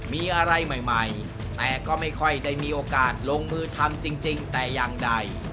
มีอะไรใหม่แต่ก็ไม่ค่อยได้มีโอกาสลงมือทำจริงแต่อย่างใด